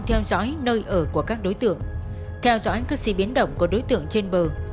theo dõi nơi ở của các đối tượng theo dõi các di biến động của đối tượng trên bờ